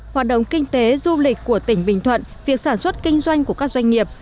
hoạt động kinh tế du lịch của tỉnh bình thuận việc sản xuất kinh doanh của các doanh nghiệp